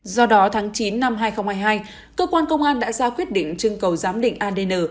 do đó tháng chín năm hai nghìn hai mươi hai cơ quan công an đã ra quyết định trưng cầu giám định adn